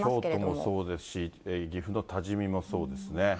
京都もそうですし、岐阜の多治見もそうですね。